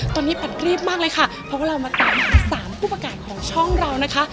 ตอนนี้ปัดรีบมากเลยค่ะเพราะว่าเรามาตามสามผู้ประกาศของช่องเรานะคะ